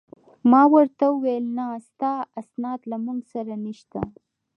ما ورته وویل: نه، ستا اسناد له موږ سره نشته.